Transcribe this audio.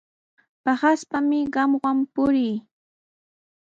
Paqaspami qamwan purii.